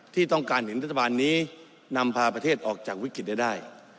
ที่ต้องการเห็นรัฐบาลนี้นำพาประเทศออกจากวิกฤตได้